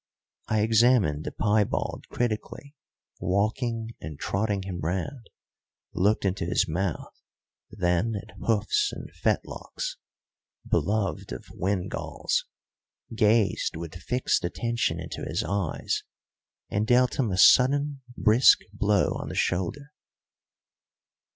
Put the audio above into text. I examined the piebald critically, walking and trotting him round; looked into his mouth, then at hoofs and fetlocks, beloved of windgalls; gazed with fixed attention into his eyes and dealt him a sudden brisk blow on the shoulder.